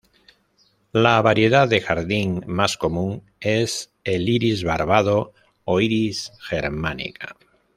La variedad de jardín más común es el iris barbado o "Iris germanica".